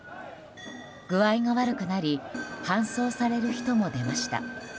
具合が悪くなり搬送される人も出ました。